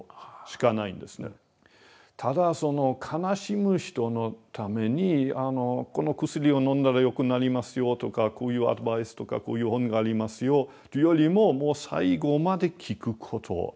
ただその悲しむ人のためにこの薬を飲んだら良くなりますよとかこういうアドバイスとかこういう本がありますよというよりももう最後まで聞くこと。